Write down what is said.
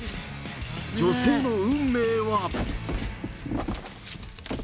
女性の運命は。